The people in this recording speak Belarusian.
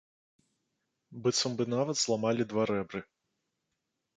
Быццам бы, нават зламалі два рэбры.